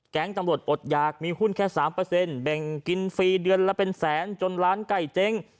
แก๊งจำรวจอดยากมีหุ้นแค่สามเปอร์เซ็นต์เบ่งกินฟรีเดือนละเป็นแสนจนร้านไก่เจ๊ง